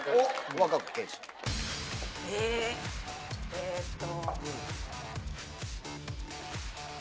えっと。